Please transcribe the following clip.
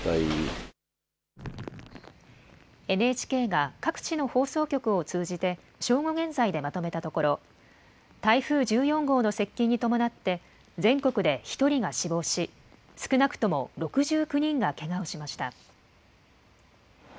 ＮＨＫが各地の放送局を通じて正午現在でまとめたところ、台風１４号の接近に伴って、全国で１人が死亡し、少なくとも６９人がけがをしました。